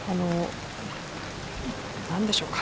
何でしょうか。